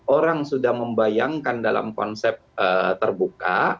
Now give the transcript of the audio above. orang sudah membayangkan dalam konsep terbuka